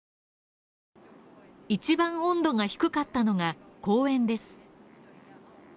一番温度が低かったのが、公園です。